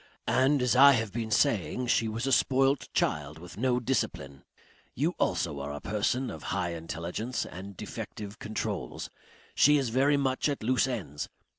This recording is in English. And as I have been saying she was a spoilt child, with no discipline.... You also are a person of high intelligence and defective controls. She is very much at loose ends.